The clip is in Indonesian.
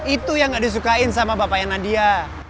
itu yang gak disukain sama bapaknya nadia